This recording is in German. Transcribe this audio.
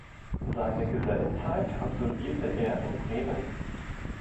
Seine Gesellenzeit absolvierte er in Bremen.